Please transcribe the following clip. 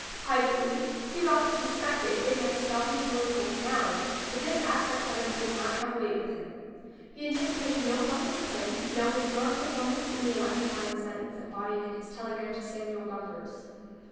Privately he rather suspected it might spell his political finale, but this aspect of it could not have weight with him. He anticipated no public acclaim, no historic per manence in the electrifying sentence embodied in his telegram to Samuel Gompers